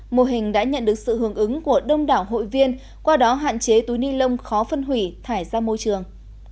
mô hình đã nhận được sự hướng ứng của đông đảo hội viên qua đó hạn chế túi ni lông khó phân hủy thải ra môi trường